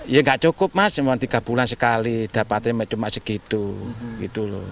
ya nggak cukup mas cuma tiga bulan sekali dapatnya cuma segitu gitu loh